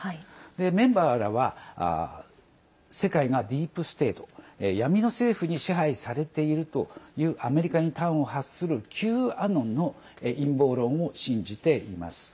メンバーらは世界がディープ・ステート＝闇の政府に支配されているというアメリカに端を発するＱアノンの陰謀論を信じています。